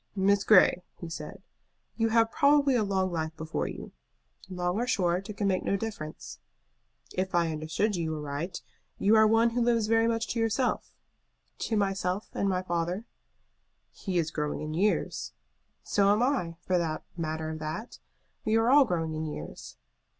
"Miss Grey," he said, "you have probably a long life before you." "Long or short, it can make no difference." "If I understood you aright, you are one who lives very much to yourself." "To myself and my father." "He is growing in years." "So am I, for the matter of that. We are all growing in years."